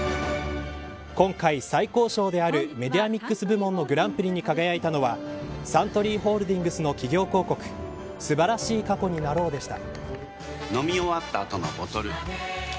今回、最高賞であるメディアミックス部門のグランプリに輝いたのはサントリーホールディングスの企業広告素晴らしい過去になろうでした。